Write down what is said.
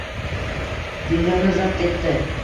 Dunyoni zabt etdi –